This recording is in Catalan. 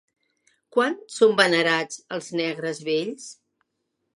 Quan són venerats els Negres vells?